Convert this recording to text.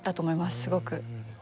すごく。